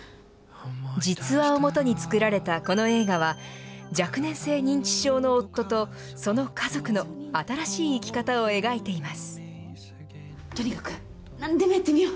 実話をもとに作られたこの映画は、若年性認知症の夫とその家族の新しい生き方を描いています。